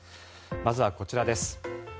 まずはこちらです。